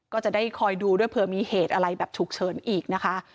ก็จะได้คอยดูด้วยเผื่อมีเหตุอะไรแบบฉุกเฉินอีกนะคะ